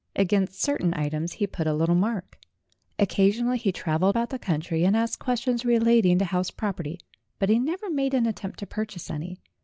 Against certain items he put a little mark. Occasionally he travelled about the country and asked questions relating to house prop erty; but he never made any attempt to purchase any.